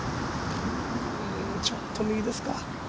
ちょっと右ですか。